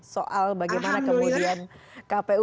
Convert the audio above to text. soal bagaimana kemudian kpu memberikan kelengangan waktu